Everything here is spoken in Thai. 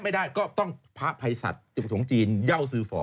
ก็ไม่ได้ก็ต้องพระภัยสัตว์ชงจีนเย้าสือฝอ